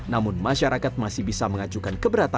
namun masyarakat masih bisa mengajukan keberatan